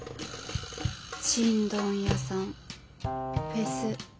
ちんどん屋さんフェス